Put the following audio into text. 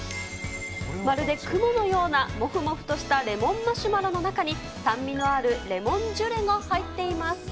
まるで雲のようなもふもふとしたレモンマシュマロの中に、酸味のあるレモンジュレが入っています。